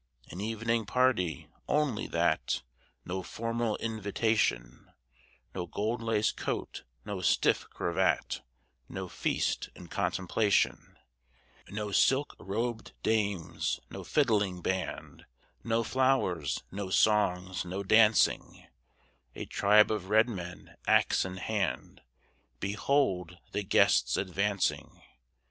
An evening party, only that, No formal invitation, No gold laced coat, no stiff cravat, No feast in contemplation, No silk robed dames, no fiddling band, No flowers, no songs, no dancing, A tribe of red men, axe in hand, Behold the guests advancing!